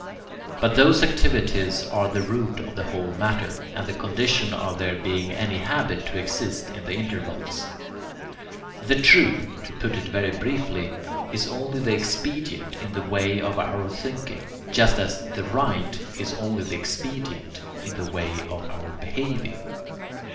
But those activities are the root of the whole matter, and the condition of there being any habit to exist in the intervals. 'The true,' to put it very briefly, is only the expedient in the way of our thinking, just as 'the right' is only the expedient in the way of our behaving.